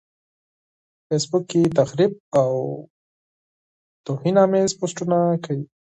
فېس بوک کې تخريب او توهيناميز پوسټونه کوي.